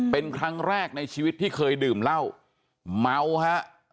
เป็นครั้งแรกในชีวิตที่เคยดื่มเหล้าเมาฮะ